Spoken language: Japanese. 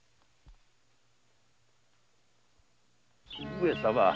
上様。